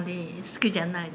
好きじゃない？